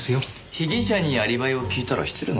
被疑者にアリバイを聞いたら失礼なんですか？